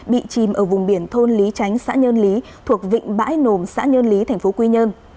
bị chìm ở vùng biển thôn lý tránh xã nhơn lý thuộc vịnh bãi nồm xã nhơn lý tp quy nhơn